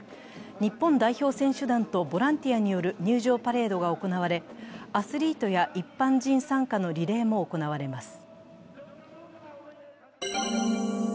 日本代表選手団とボランティアによる入場パレードが行われ、アスリートや一般人参加のリレーも行われます。